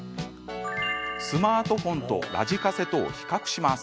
スマートフォンとラジカセとを比較します。